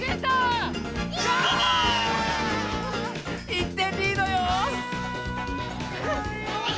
１てんリードよ！